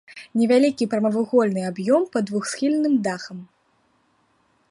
Невялікі прамавугольны аб'ём пад двухсхільным дахам.